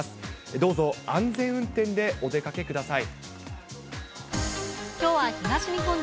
どうぞ安全運転でお出かけください。